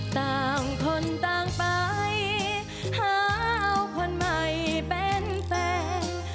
ต่างคนต่างไปหาเอาคนใหม่เป็นแฟน